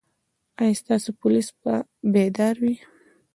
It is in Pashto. ایا ستاسو پولیس به بیدار وي؟